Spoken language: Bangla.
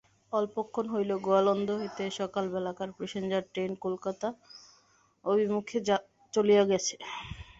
অল্পক্ষণ হইল, গোয়ালন্দ হইতে সকালবেলাকার প্যাসেঞ্জার-ট্রেন কলিকাতা-অভিমুখে চলিয়া গেছে।